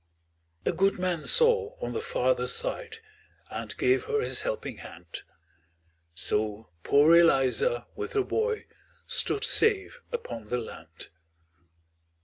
A good man saw on the farther side, And gave her his helping hand; So poor Eliza, with her boy, Stood safe upon the land.